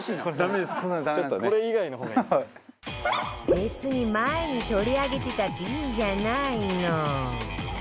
別に前に取り上げてたっていいじゃないの！